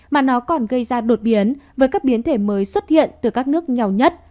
mà nó còn gây ra đột biến với các biến thể mới xuất hiện từ các nước nghèo nhất